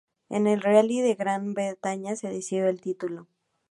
En el Rally de Gran Bretaña se decidió el título.